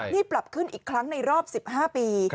นี่ปรับขึ้นอีกครั้งในรอบ๑๕ปี